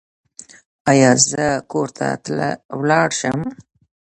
ایا زه کور ته لاړ شم؟